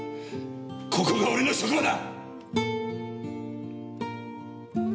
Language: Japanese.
ここが俺の職場だ！いいか？